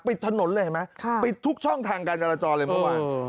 ปิดถนนเลยเห็นไหมปิดทุกช่องทางการจราจรเลยเมื่อวาน